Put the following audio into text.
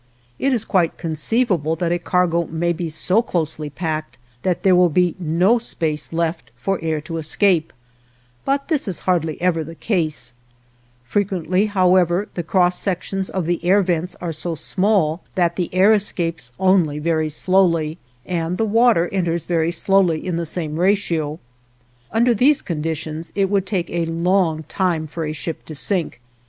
It is quite conceivable that a cargo may be so closely packed that there will be no space left for air to escape, but this is hardly ever the case; frequently, however, the cross sections of the air vents are so small that the air escapes only very slowly, and the water enters very slowly in the same ratio; under these conditions it would take a long time for a ship to sink.